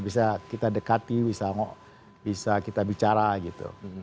bisa kita dekati bisa kita bicara gitu